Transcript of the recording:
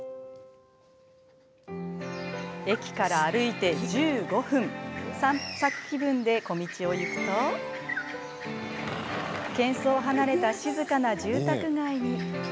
駅から歩いて１５分散策気分で小道を行くとけん騒を離れた静かな住宅街に趣のある日本家屋。